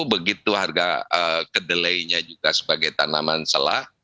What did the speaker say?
begitu harga kedelainya juga sebagai tanaman selah